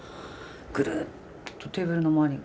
ぐるっとテーブルの周りに。